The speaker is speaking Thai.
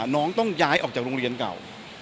น้องต้องย้ายออกจากโรงเรียนเก่า